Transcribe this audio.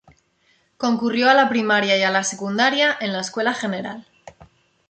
Concurrió a la primaria y a la secundaria en la Escuela "Gral.